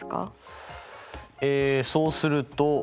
えそうすると。